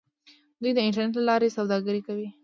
دوی د انټرنیټ له لارې سوداګري کوي.